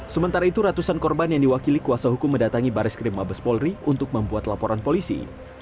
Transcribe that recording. sementara itu ratusan korban yang diwakili kuasa hukum mendatangi baris krim mabes polri untuk membuat laporan polisi